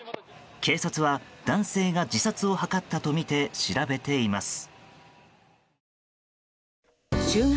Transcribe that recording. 警察は男性が自殺を図ったとみて調べています。